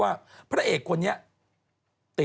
หน้าอินโนเซนต์อยู่